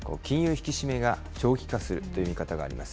引き締めが長期化するという見方があります。